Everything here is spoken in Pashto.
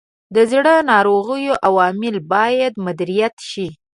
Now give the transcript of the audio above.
د زړه ناروغیو عوامل باید مدیریت شي.